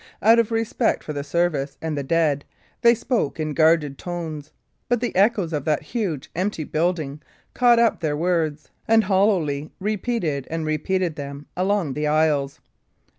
Out of respect for the service and the dead, they spoke in guarded tones; but the echoes of that huge, empty building caught up their words, and hollowly repeated and repeated them along the aisles.